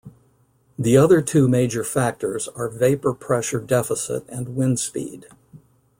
The other two major factors are vapor pressure deficit and wind speed.